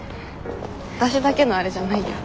わたしだけのあれじゃないよ。